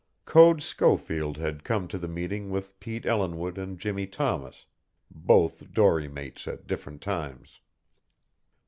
Code Schofield had come to the meeting with Pete Ellinwood and Jimmie Thomas, both dory mates at different times.